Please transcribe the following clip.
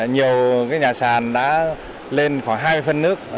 nhiều nhà sàn đã lên khoảng hai phân nước